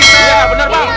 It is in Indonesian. iya benar bang